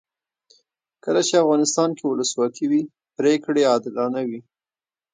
کله چې افغانستان کې ولسواکي وي پرېکړې عادلانه وي.